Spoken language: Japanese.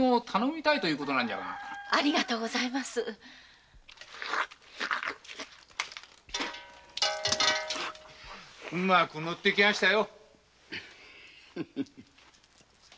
うまくのってきやしたよ。